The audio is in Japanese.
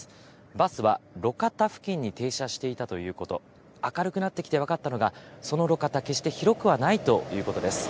バスは路肩付近に停車していたということ、明るくなってきて分かったのが、その路肩、決して広くはないということです。